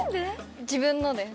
自分のです。